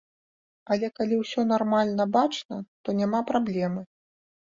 Але калі ўсё нармальна бачна, то няма праблемы.